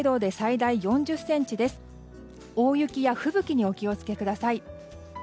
大雪や吹雪にお気を付けください。